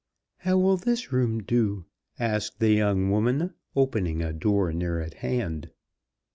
"How will this room do?" asked the young woman, opening a door near at hand.